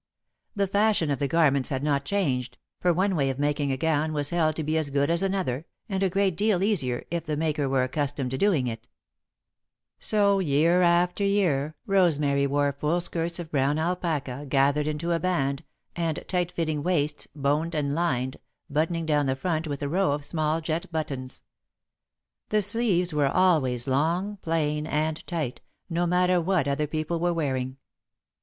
The fashion of the garments had not changed, for one way of making a gown was held to be as good as another, and a great deal easier, if the maker were accustomed to doing it. [Sidenote: Year after Year] So, year after year, Rosemary wore full skirts of brown alpaca, gathered into a band, and tight fitting waists, boned and lined, buttoning down the front with a row of small jet buttons. The sleeves were always long, plain, and tight, no matter what other people were wearing.